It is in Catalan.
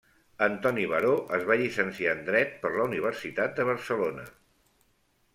Antoni Baró es va llicenciar en dret per la Universitat de Barcelona.